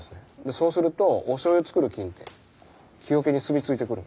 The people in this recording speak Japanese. そうするとおしょうゆを造る菌って木桶に住み着いてくるんですよ。